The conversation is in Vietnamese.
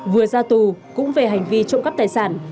vừa ra tù cũng về hành vi trộm cắp tài sản